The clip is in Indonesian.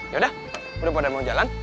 yaudah udah pada mau jalan